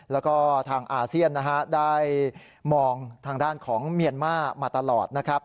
แล้วก็ทางอาเซียนนะฮะได้มองทางด้านของเมียนมาร์มาตลอดนะครับ